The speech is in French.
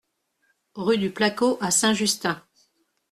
Rue du Placot à Saint-Justin